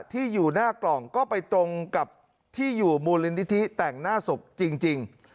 ที่อยู่หน้ากล่องก็ไปตรงกับที่อยู่มูลนิธิแต่งหน้าศพจริง